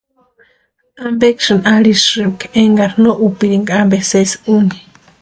¿Ampeksï arhisïrempki énkari no úpirinka ampe sési úni?